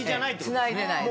つないでない。